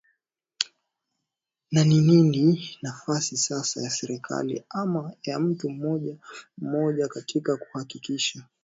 na nini nafasi sasa ya serikali ama ya mtu mmoja mmoja katika kuhakikisha